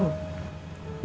bikin proyek perumahan